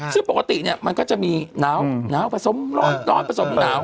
ซึ่งปกติเนี่ยมันก็จะมีหนาวแล้วหนาวผสม